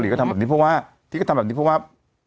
ที่ก็ทำแบบนี้เพราะว่า